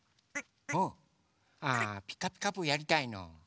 あ「ピカピカブ！」やりたいの？